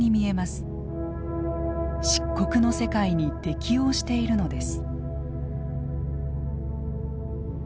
漆黒の世界に適応しているのです。